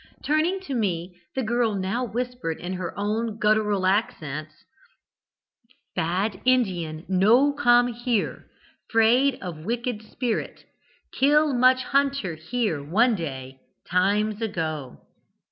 Turning to me, the girl now whispered in her own guttural accents: "'Bad Indian no come here, 'fraid of wicked spirit kill much hunter here one day times ago.'